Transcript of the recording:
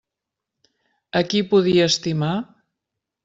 A qui podia estimar?